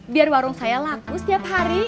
biar warung saya laku setiap hari